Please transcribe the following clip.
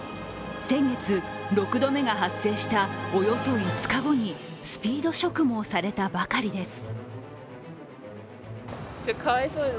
先月、６度目が発生したおよそ５日後にスピード植毛されたばかりです。